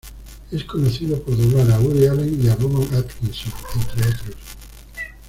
Es conocido por doblar a Woody Allen y a Rowan Atkinson, entre otros.